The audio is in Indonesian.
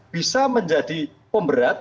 bisa menjadi pemberat